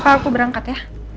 pak aku berangkat ya